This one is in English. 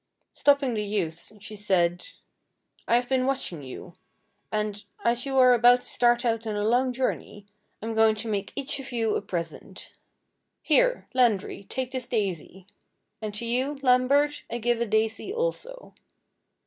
Stopping the youths, she said :—." I have been watching you ; and, as you are about to start out on a long journey, I am going to make each of you a pres 109 I IO THE FAIRY SPINNING WHEEL ent. Here, Landry, take this daisy; and to you, Lambert, I give a daisy also.